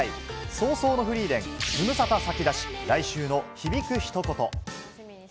葬送のフリーレン、ズムサタ先出し、来週の響く一言。